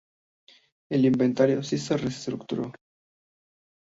El inventario sí se reestructuró.